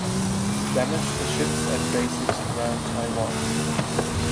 Damage to ships and bases around Taiwan.